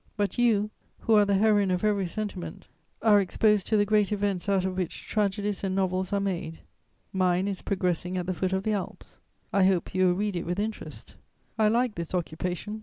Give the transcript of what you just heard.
But you, who are the heroine of every sentiment, are exposed to the great events out of which tragedies and novels are made. Mine is progressing at the foot of the Alps. I hope you will read it with interest. I like this occupation. ...........